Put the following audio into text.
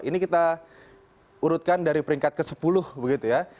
ini kita urutkan dari peringkat ke sepuluh begitu ya